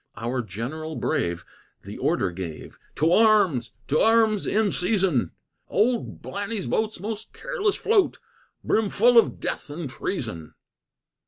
Our General brave the order gave, "To arms! To arms, in season! Old Blanny's boats most careless float, Brim full of death and treason!"